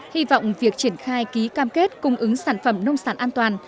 hy vọng việc triển khai ký cam kết cung ứng sản phẩm nông sản an toàn